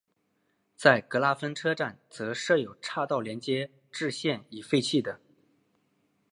在格拉芬车站则设有岔道连接至现已废弃的。